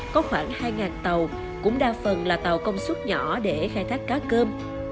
có khoảng hai tàu cũng đa phần là tàu công suất nhỏ để khai thác cá cơm